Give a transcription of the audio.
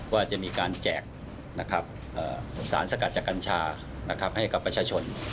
ว่าจะมีการแจกสารสกัดจากกัญชาให้กับประชาชน